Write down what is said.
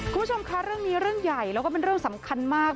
คุณผู้ชมคะเรื่องนี้เรื่องใหญ่แล้วก็เป็นเรื่องสำคัญมาก